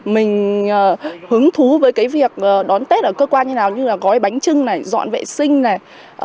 mình hứng thú với cái việc đón tết ở cơ quan như nào như là gói bánh trưng này dọn vệ sinh này